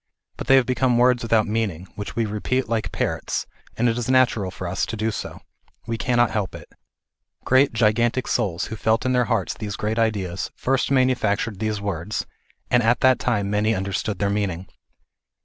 But they have become words without meaning, which we repeat like parrots, and it is natural for THE IDEAL OF A UNIVERSAL RELIGION. 305 us to do so. We cannot help it. Great gigantic souls, who felt in their hearts these great ideas, first manufactured these words, and at that time many understood their meaning.